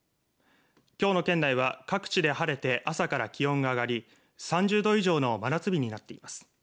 きょうの県内は各地で晴れて朝から気温が上がり３０度以上の真夏日になっています。